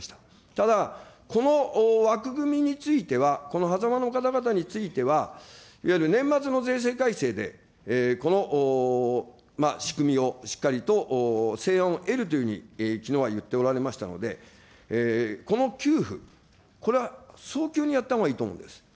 ただ、この枠組みについては、この狭間の方々については、いわゆる年末の税制改正で、この仕組みをしっかりと成案を得るというふうにきのうは言っていましたけれども、この給付、これは早急にやったほうがいいと思うんです。